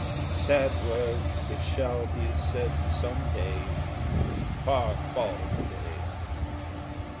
Sad words that shall be said some day Far fall the day!